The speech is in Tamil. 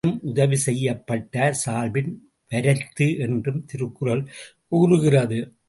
மேலும் உதவி செயப்பட்டார் சால்பின் வரைத்து என்றும் திருக்குறள் கூறுகிறது.